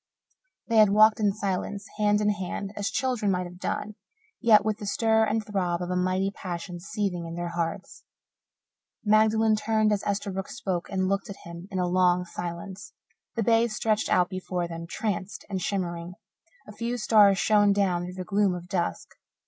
They had walked in silence, hand in hand, as children might have done, yet with the stir and throb of a mighty passion seething in their hearts. Magdalen turned as Esterbrook spoke, and looked at him in a long silence. The bay stretched out before them, tranced and shimmering; a few stars shone down through the gloom of dusk.